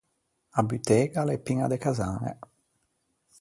A butega a l’é piña de casañe.